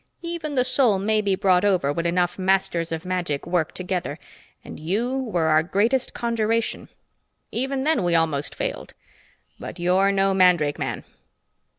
Even the soul may be brought over when enough masters of magic work together and you were our greatest conjuration. Even then, we almost failed. But you're no mandrake man."